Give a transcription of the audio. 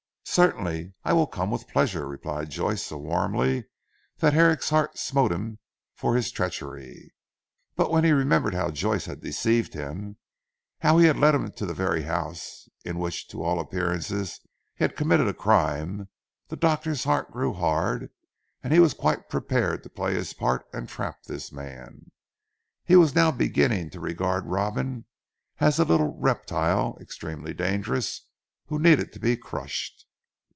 "Certainly. I will come with pleasure," replied Joyce so warmly that Herrick's heart smote him for his treachery. But when he remembered how Joyce had deceived him, how he had led him to the very house in which to all appearance he had committed a crime, the doctor's heart grew hard and he was quite prepared to play his part and trap this man. He was now beginning to regard Robin as a little reptile extremely dangerous who needed to be crushed.